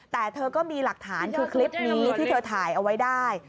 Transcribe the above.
แต่เธอก็มีหลักฐานคือคลิปนี้ที่เธอถ่ายเอาไว้ได้